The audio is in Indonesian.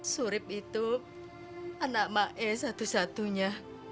surip itu anak mak e satu satunya